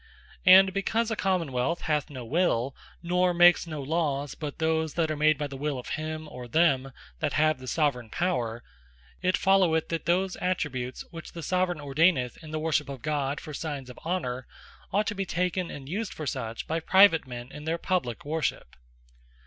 And because a Common wealth hath no Will, nor makes no Lawes, but those that are made by the Will of him, or them that have the Soveraign Power; it followeth, that those Attributes which the Soveraign ordaineth, in the Worship of God, for signes of Honour, ought to be taken and used for such, by private men in their publique Worship.